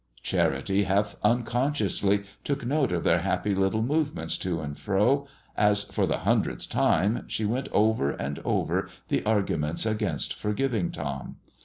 Charity half unconsciously took note of their happy little movements to and fro, as, for the hundredth time, she went over and over the arguments against forgiving Tom.